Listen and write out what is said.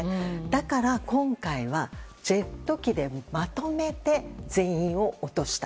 だから今回はジェット機でまとめて全員を落とした。